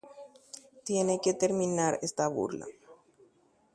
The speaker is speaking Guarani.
Opámavaʼerã jejahéi.